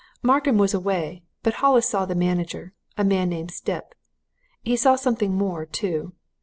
Markham was away, but Hollis saw the manager, a man named Stipp. He saw something more, too.